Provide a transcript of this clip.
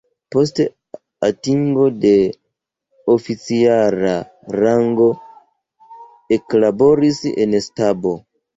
Post atingo de oficira rango eklaboris en stabo.